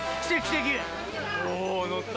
おぉ乗った。